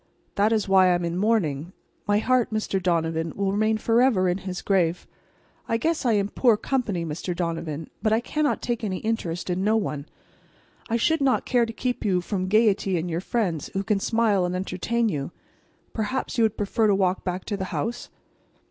"That is why I am in mourning. My heart, Mr. Donovan, will remain forever in his grave. I guess I am poor company, Mr. Donovan, but I cannot take any interest in no one. I should not care to keep you from gayety and your friends who can smile and entertain you. Perhaps you would prefer to walk back to the house?"